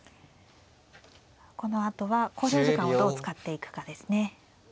このあとは考慮時間をどう使っていくかですね。